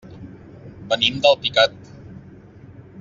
Venim d'Alpicat.